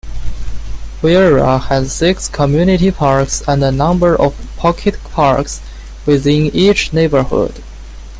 Viera has six community parks and a number of pocket parks within each neighborhood.